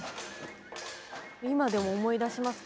今でも思い出しますか？